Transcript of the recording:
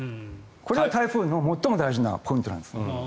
これが台風の最も大きなポイントなんです。